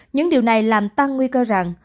những điều này làm tăng nguy cơ rằng